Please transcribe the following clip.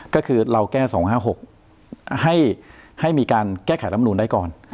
ก็คือเราแก้๒๕๖ให้มีการแก้ไขรำนูนได้ก่อน